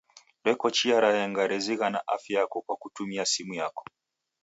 Reko chia raenga rezighana afya yako kwa kutumia simu yako.